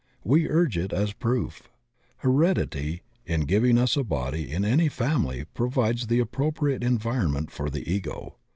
We urge it as proof. Heredity in giving us a body in any family provides the appropriate environment for the Ego.